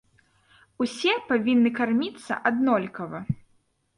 Усе павінны карміцца аднолькава.